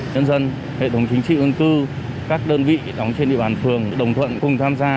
nhân dân hệ thống chính trị quân tư các đơn vị đóng trên địa bàn phường đồng thuận cùng tham gia